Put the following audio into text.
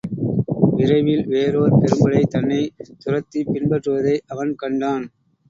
விரைவில் வேறோர் பெரும்படை தன்னைத் துரத்திப் பின்பற்றுவதை அவன் கண்டான்.